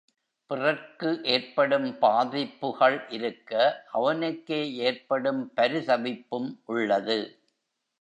பிறர்க்கு ஏற்படும் பாதிப்புகள் இருக்க அவனுக்கே ஏற்படும் பரிதவிப்பும் உள்ளது.